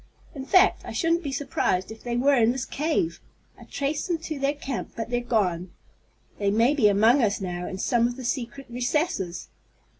In fact, I shouldn't be surprised if they were in this cave. I traced them to their camp, but they're gone. They may be among us now in some of the secret recesses!"